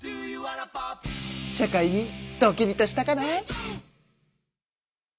社会にドキリとしたかな？